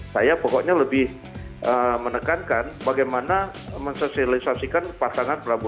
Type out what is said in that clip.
saya pokoknya lebih menekankan bagaimana mensosialisasikan pasangan prabowo